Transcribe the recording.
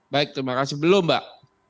baik terima kasih belum mbak